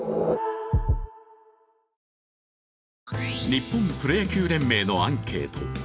日本プロ野球連盟のアンケート。